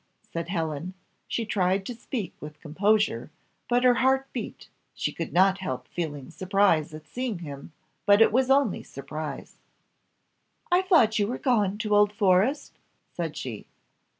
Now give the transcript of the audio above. said Helen; she tried to speak with composure, but her heart beat she could not help feeling surprise at seeing him but it was only surprise. "I thought you were gone to Old Forest?" said she.